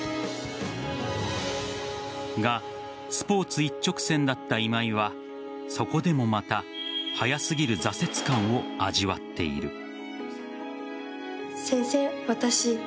が、スポーツ一直線だった今井はそこでもまた早すぎる挫折感を味わっている。